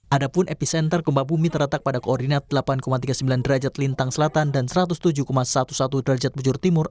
adapun epicenter gempa bumi terletak pada koordinat delapan tiga puluh sembilan derajat lintang selatan dan satu ratus tujuh sebelas derajat bujur timur